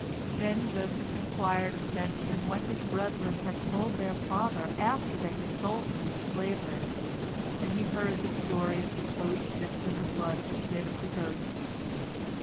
" Then Joseph inquired of Benjamin what his brethren had told their father after they had sold him into slavery, and he heard the story of the coat dipped in the blood of a kid of the goats.